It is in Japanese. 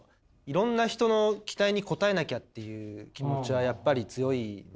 いろんな人の期待に応えなきゃっていう気持ちはやっぱり強いので。